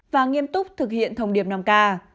và nghiêm túc thực hiện thông điệp năm k